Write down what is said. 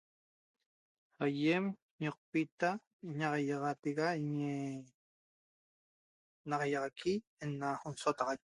Aýem ñoqopita ña'axaixaatega ñi na'axaixaqui ne'ena dasotaxaic